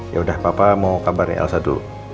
yaudah papa mau kabarnya elsa dulu